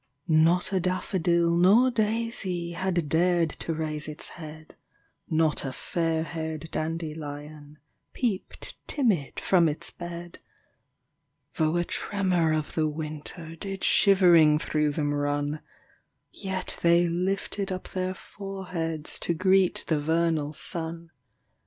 Not a daffodil nor daisy Had dared to raise its head; Not a fairhaired dandelion Peeped timid from its bed; THE CROCUSES. 5 Though a tremor of the winter Did shivering through them run; Yet they lifted up their foreheads To greet the vernal sun.